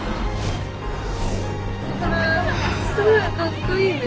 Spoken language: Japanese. かっこいいね。